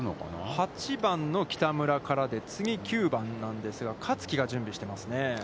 ８番の北村からで次９番なんですが香月が準備していますね。